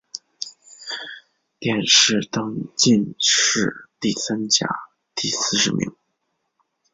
殿试登进士第三甲第四十名。